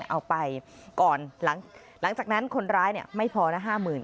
เอาไปก่อนหลังจากนั้นคนร้ายเนี่ยไม่พอนะ๕หมื่น